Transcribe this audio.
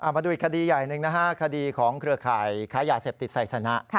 มาดูอีกคดีใหญ่หนึ่งนะฮะคดีของเครือข่ายค้ายาเสพติดไซสนะ